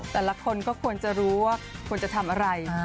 แต่ละคนก็ควรจะรู้ว่าควรจะทำอะไร